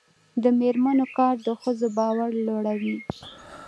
د میرمنو کار د ښځو باور لوړوي.